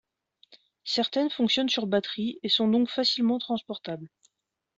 Certaines fonctionnent sur batteries et sont donc facilement transportables.